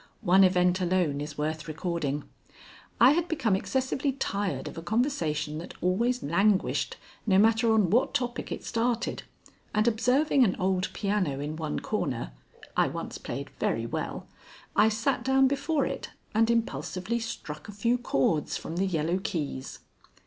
One event alone is worth recording. I had become excessively tired of a conversation that always languished, no matter on what topic it started, and, observing an old piano in one corner I once played very well I sat down before it and impulsively struck a few chords from the yellow keys.